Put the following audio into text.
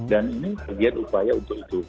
dan ini bagian upaya untuk itu